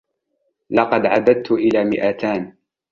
لقد عددت الي مئتان.